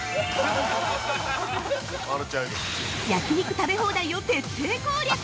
焼き肉食べ放題を徹底攻略！